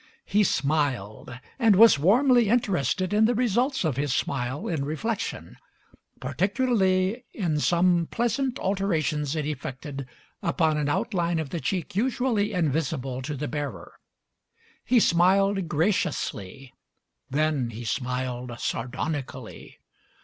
He smiled and was warmly interested in the results of his smile in reflection, particularly in some pleasant alterations it effected upon an outline of the cheek usually invisible to the bearer. He smiled graciously, then he smiled sardonically.